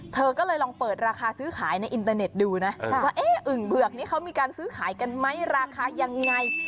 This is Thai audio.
เธอก็เลยลองเปิดราคาซื้อขายในอินเตอร์เน็ตดูนะว่าเอ๊ะอึ่งเผือกนี้เขามีการซื้อขายกันไหมราคายังไง